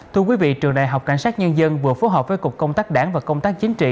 thưa quý vị trường đại học cảnh sát nhân dân vừa phối hợp với cục công tác đảng và công tác chính trị